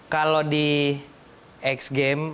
kalau di x games